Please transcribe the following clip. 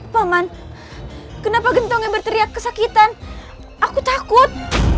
paman kenapa gentong yang berteriak kesakitan aku takut